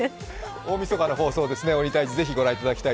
大みそかの放送ですね、「鬼タイジ」ぜひご覧ください。